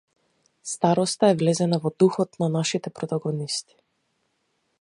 Староста е влезена во духот на нашите протагонисти.